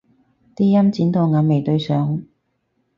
啲陰剪到眼眉對上